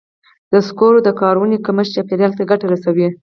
د سکرو د کارونې کمښت چاپېریال ته ګټه رسوي.